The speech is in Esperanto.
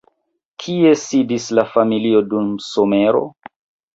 Kie sidis la familio dum somero?